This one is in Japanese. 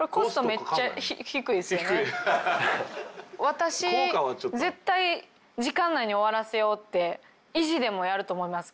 私絶対時間内に終わらせようって意地でもやると思います。